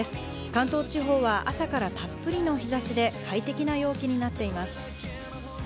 関東地方は朝からたっぷりの日差しで快適な陽気になっています。